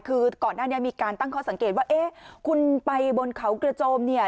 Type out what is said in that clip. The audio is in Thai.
คือก่อนหน้านี้มีการตั้งข้อสังเกตว่าเอ๊ะคุณไปบนเขากระโจมเนี่ย